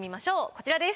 こちらです。